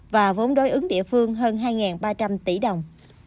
và vốn đối ứng địa phương hơn hai ba trăm linh tỷ đồng